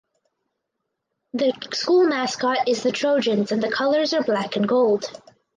The school mascot is the Trojans and the colors are black and gold.